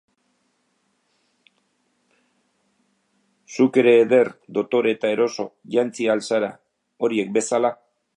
Zu ere eder, dotore eta eroso jantzi ahal zara, horiek bezala.